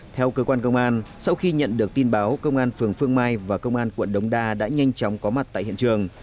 theo cơ quan công an sau khi nhận được tin báo công an phường phương mai và công an quận đống đa đã nhanh chóng có mặt tại hiện trường